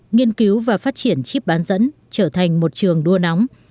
nghiên cứu và phát triển chip bán dẫn trở thành một trường đua nóng